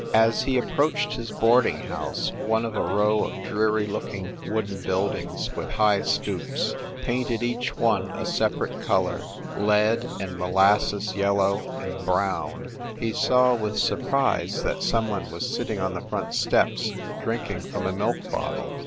As he approached his boarding house, one of a row of dreary looking wooden buildings with high stoops, painted each one a separate color, lead, and molasses yellow, and brown, he saw, with sur prise, that some one was sitting on the front steps, drinking from a milk bottle.